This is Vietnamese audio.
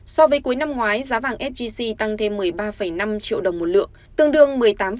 so với cuối năm ngoái giá vàng sgc tăng thêm một mươi ba năm triệu đồng một lượng tương đương một mươi tám